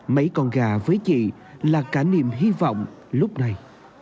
mấy con gà với chị là cả niềm hy vọng lúc này